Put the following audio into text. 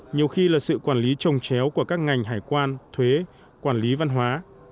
nhiều khi là sự quản lý trồng chéo của các ngành hải quan thuế quản lý văn hóa